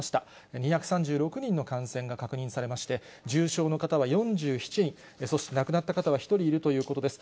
２３６人の感染が確認されまして、重症の方は４７人、そして亡くなった方は１人いるということです。